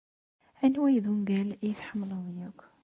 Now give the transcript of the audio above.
Anwa ay d ungal ay tḥemmleḍ akk?